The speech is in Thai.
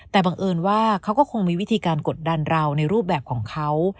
แต่บังเอิญว่าเขาก็คงมีวิธีการกดดันเราในรูปแบบของเขา